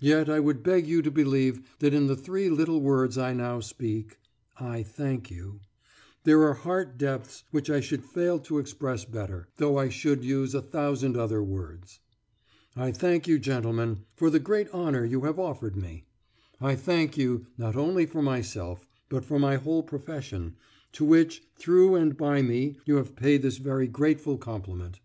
Yet I would beg you to believe that in the three little words I now speak, 'I thank you,' there are heart depths which I should fail to express better, though I should use a thousand other words. I thank you, gentlemen, for the great honour you have offered me. I thank you, not only for myself, but for my whole profession, to which, through and by me, you have paid this very grateful compliment.